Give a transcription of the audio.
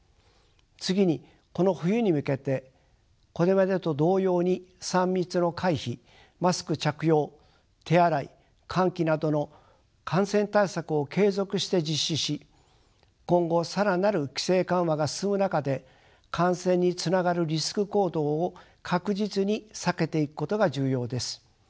次にこの冬に向けてこれまでと同様に３密の回避マスク着用手洗い換気などの感染対策を継続して実施し今後更なる規制緩和が進む中で感染につながるリスク行動を確実に避けていくことが重要です。